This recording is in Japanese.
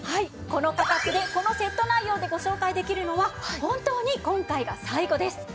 この価格でこのセット内容でご紹介できるのは本当に今回が最後です。